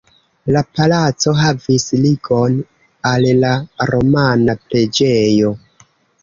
La palaco havis ligon al la romana preĝejo.